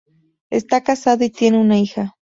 Está casado y tiene una hija.